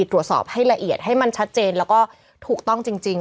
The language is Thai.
ตรวจสอบให้ละเอียดให้มันชัดเจนแล้วก็ถูกต้องจริง